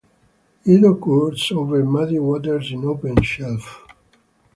It occurs over muddy waters in open shelf.